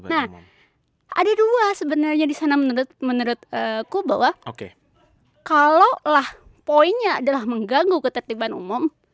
nah ada dua sebenarnya di sana menurutku bahwa kalau lah poinnya adalah mengganggu ketertiban umum